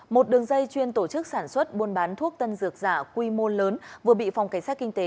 một đường dây chuyên tổ chức sản xuất buôn bán thuốc tân dược giả quy mô lớn vừa bị phòng cảnh sát kinh tế